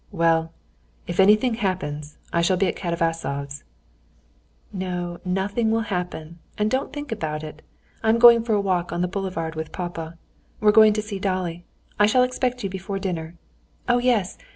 "Well, if anything happens, I shall be at Katavasov's." "No, nothing will happen, and don't think about it. I'm going for a walk on the boulevard with papa. We're going to see Dolly. I shall expect you before dinner. Oh, yes!